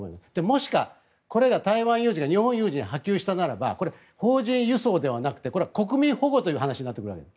もし、台湾有事が日本有事に波及したならば邦人輸送ではなくて国民保護という話になってくるわけ。